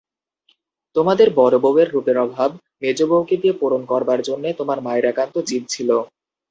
তোমাদের বড়োবউয়ের রূপের অভাব মেজবউকে দিয়ে পূরণ করবার জন্যে তোমার মায়ের একান্ত জিদ ছিল।